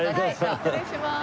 失礼します。